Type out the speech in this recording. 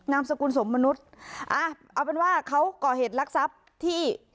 สกุลสมมนุษย์อ่าเอาเป็นว่าเขาก่อเหตุลักษัพที่